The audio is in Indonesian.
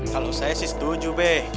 kalo saya sih setuju be